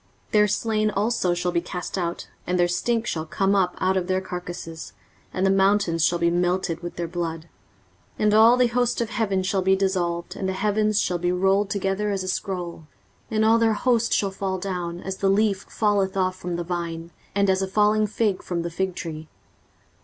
23:034:003 Their slain also shall be cast out, and their stink shall come up out of their carcases, and the mountains shall be melted with their blood. 23:034:004 And all the host of heaven shall be dissolved, and the heavens shall be rolled together as a scroll: and all their host shall fall down, as the leaf falleth off from the vine, and as a falling fig from the fig tree.